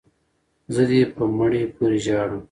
ـ زه دې په مړي پورې ژاړم،